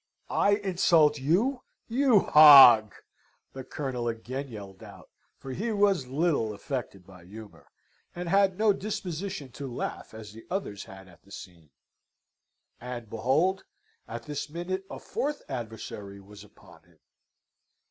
"I insult you, you hog!" the Colonel again yelled out, for he was little affected by humour, and had no disposition to laugh as the others had at the scene. And, behold, at this minute a fourth adversary was upon him.